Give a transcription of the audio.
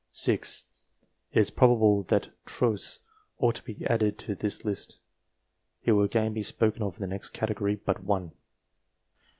[6.] It is probable that Trosse ought to be added to this list. He will again be spoken of in the next category but one.